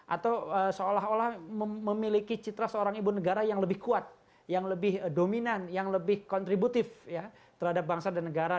atau seolah olah memiliki citra seorang ibu negara yang lebih kuat yang lebih dominan yang lebih kontributif terhadap bangsa dan negara